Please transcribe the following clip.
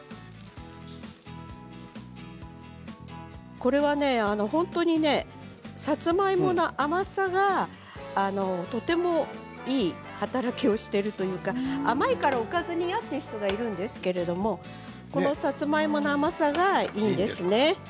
これは、さつまいもの甘さがとてもいい働きをしているというか甘いからおかずに嫌という人もいるんですけれどさつまいもの甘さがいいんですね。